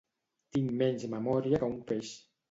Tinc menys memòria que un peix